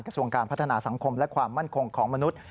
ส่วนการพัฒนาสังคมและความมั่นคงของมนุษย์